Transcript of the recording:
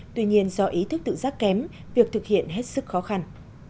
tuy nhiên do ý thức tự giác kém việc thực hiện hết sức khó khăn